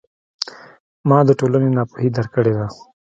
ما د ټولنې ناپوهي درک کړې ده.